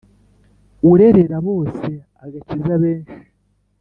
Urerera bose agakiza benshi